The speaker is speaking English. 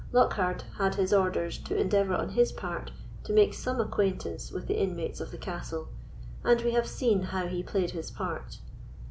Lockhard had his orders to endeavour on his part to make some acquaintance with the inmates of the castle, and we have seen how he played his part.